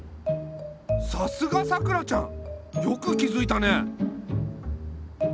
さすがさくらちゃんよく気づいたね。